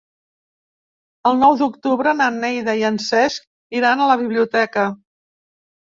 El nou d'octubre na Neida i en Cesc iran a la biblioteca.